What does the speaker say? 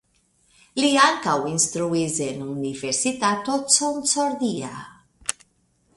Li ankaŭ instruis en Universitato Concordia.